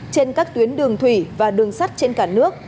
trên các tuyến đường thủy và đường sắt trên cả nước